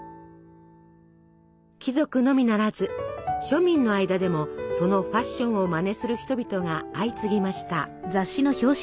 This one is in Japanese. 貴族のみならず庶民の間でもそのファッションをマネする人々が相次ぎました。